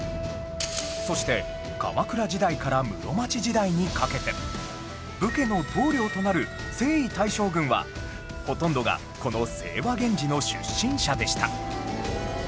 そして鎌倉時代から室町時代にかけて武家の棟梁となる征夷大将軍はほとんどがこの清和源氏の出身者でした